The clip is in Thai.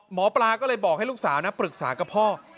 หมอปลาก็เลยบอกให้ลูกสาวนะปรึกษากับพ่อ